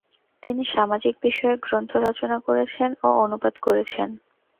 তিনি সামাজিক বিষয়ক গ্রন্থ রচনা করেছেন ও অনুবাদ করেছেন।